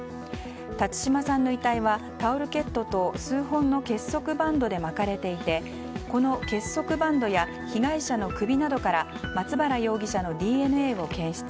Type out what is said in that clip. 辰島さんの遺体はタオルケットと数本の結束バンドで巻かれていてこの結束バンドや被害者の首などから松原容疑者のＤＮＡを検出。